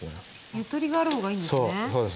ゆとりがある方がいいですね。